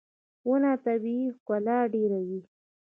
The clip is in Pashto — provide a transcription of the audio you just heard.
• ونه طبیعي ښکلا ډېروي.